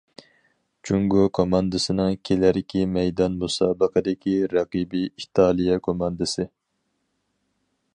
جۇڭگو كوماندىسىنىڭ كېلەركى مەيدان مۇسابىقىدىكى رەقىبى ئىتالىيە كوماندىسى.